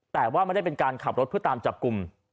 แต่ว่าไม่ได้เป็นการขับรถเพื่อตามจับกลุ่ม